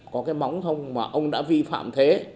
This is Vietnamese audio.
có cái móng thông mà ông đã vi phạm thế